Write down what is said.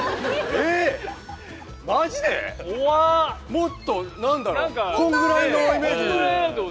もっと何だろうこんぐらいのイメージ。